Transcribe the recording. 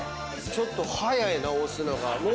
ちょっと速いな押すのが。